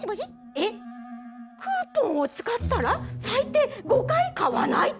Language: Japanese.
え、クーポンを使ったら最低５回買わないと。